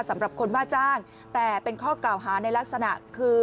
สำหรับคนว่าจ้างแต่เป็นข้อกล่าวหาในลักษณะคือ